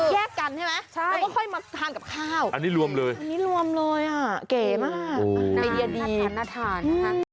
แยกกันใช่ไหมใช่แล้วก็ค่อยมาทานกับข้าวอันนี้รวมเลยอันนี้รวมเลยอ่ะเก๋มาก